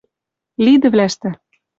Лидӹвлӓштӹ